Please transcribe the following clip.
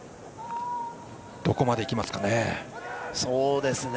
どこまでいきますかね。